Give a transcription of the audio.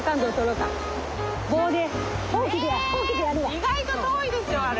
え意外と遠いですよあれ。